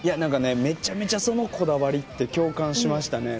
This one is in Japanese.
めちゃめちゃそのこだわりって共感しました。